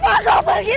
dengan cara seperti ini